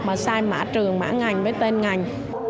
mà sai mã trường mã ngành với tên ngành